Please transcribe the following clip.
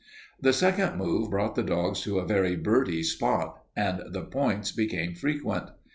The second move brought the dogs to a very birdy spot, and the points became frequent.